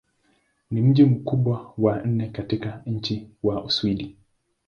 Ni mji mkubwa wa nne katika nchi wa Uswidi.